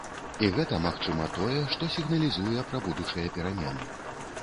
І гэта, магчыма, тое, што сігналізуе пра будучыя перамены.